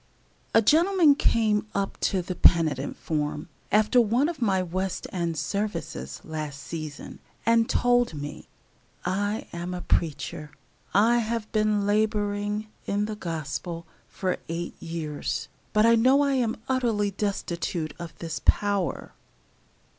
A gentleman came up to the penitent form, after one of my West end services, last season, and told me: "I am a preacher. I have been laboring in the Gospel for eight years, but I know I am utterly destitute of this power."